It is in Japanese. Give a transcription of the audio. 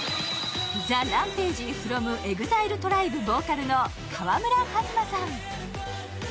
ＴＨＥＲＡＭＰＡＧＥｆｒｏｍＥＸＩＬＥＴＲＩＢＥボーカルの川村壱馬さん。